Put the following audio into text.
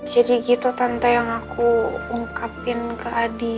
jadi gitu tante yang aku ungkapin ke adi